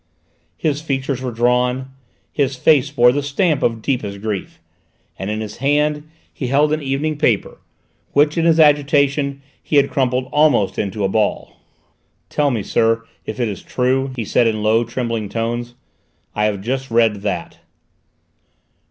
His features were drawn, his face bore the stamp of deepest grief, and in his hand he held an evening paper, which in his agitation he had crumpled almost into a ball. "Tell me, sir, if it is true," he said in low trembling tones. "I have just read that."